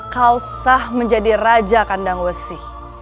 kau sah menjadi raja kandang wesi